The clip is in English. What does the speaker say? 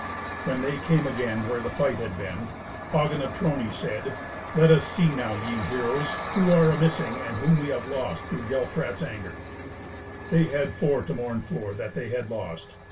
When they came again where the fight had been, Hagen of Trony said, "Let us see now, ye heroes, who are amissing, and whom we have lost through Gelfrat's anger." They had four to mourn for, that they had lost.